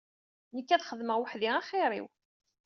Nekk ad xedmeɣ weḥd-i axir-iw.